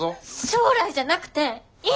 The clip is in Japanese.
将来じゃなくて今！